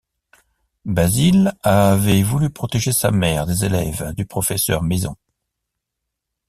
Basile avait voulu protéger sa mère des élèves du professeur Maison.